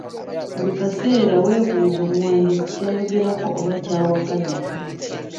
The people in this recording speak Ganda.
Buli kaseera weebuuze omuwandiisi ky'ayogerako oba ky'awakanya?